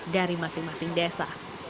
dari masing masing desa